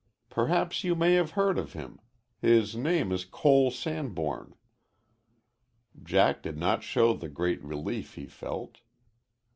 Perhaps you may have heard of him. His name is Cole Sanborn." Jack did not show the great relief he felt.